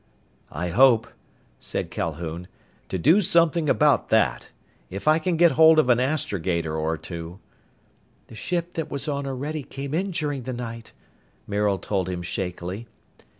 "I hope," said Calhoun, "to do something about that. If I can get hold of an astrogator or two " "The ship that was on Orede came in during the night," Maril told him shakily.